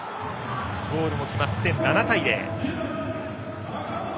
ゴールも決まって７対０。